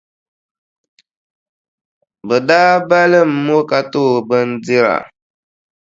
Bɛ daa balim o ka ti o bindira.